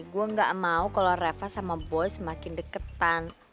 gue gak mau kalau reva sama boy semakin deketan